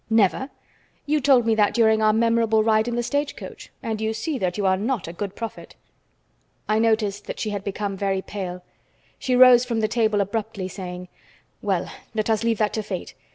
"Never? You told me that during our memorable ride in the stagecoach, and you see that you are not a good prophet." I noticed that she had become very pale. She rose from the table abruptly, saying: "Well, let us leave that to Fate.